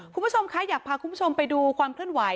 คุณผู้ชมคะอยากพาคุณผู้ชมไปดูความเคลื่อนไหว